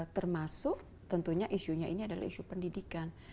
termasuk tentunya isunya ini adalah isu pendidikan